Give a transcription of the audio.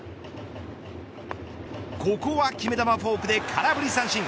ここは決め球フォークで空振り三振。